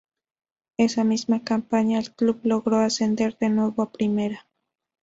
Esa misma campaña el club logró ascender de nuevo a Primera.